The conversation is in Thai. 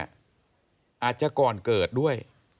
อาจจะก่อนเกิดด้วย